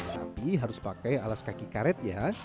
tapi harus pakai alas kaki karet ya